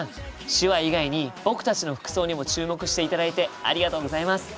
手話以外に僕たちの服装にも注目していただいてありがとうございます。